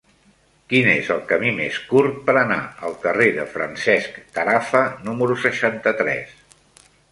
Quin és el camí més curt per anar al carrer de Francesc Tarafa número seixanta-tres?